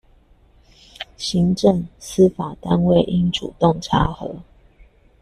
行政、司法單位應主動查核